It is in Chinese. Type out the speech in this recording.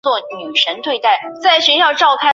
饭店可享免费停车